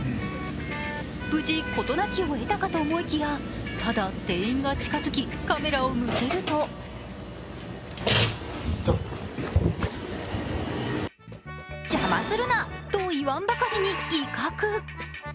無事、事なきをえたかと思いきや、ただ、店員が近づきカメラを向けると「邪魔するな！」と言わんばかりに威嚇。